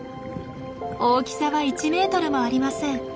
大きさは１メートルもありません。